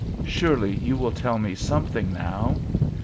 Surely you will tell me something now?